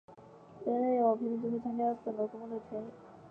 人人有平等机会参加本国公务的权利。